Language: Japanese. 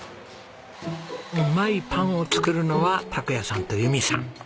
うまいパンを作るのは拓也さんと友美さん。